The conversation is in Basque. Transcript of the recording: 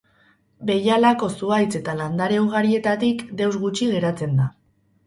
Behialako zuhaitz eta landare ugarietatik deus gutxi geratzen da.